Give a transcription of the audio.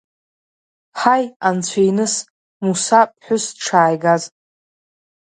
Ҳаи, анцәа иныс, Муса ԥҳәыс дшааигаз!